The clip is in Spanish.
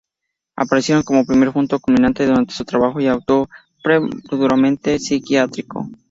Aparecieron como primer punto culminante dentro de su trabajo aún preponderantemente psiquiátrico.